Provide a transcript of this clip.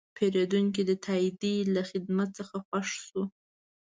پیرودونکی د تادیې له خدمت څخه خوښ شو.